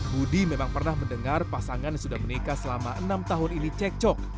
budi memang pernah mendengar pasangan yang sudah menikah selama enam tahun ini cekcok